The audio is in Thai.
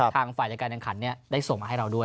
ทางฝ่ายการแถวสดได้ส่งมาให้เราด้วย